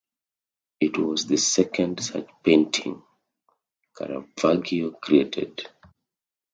It was the second such painting Caravaggio created.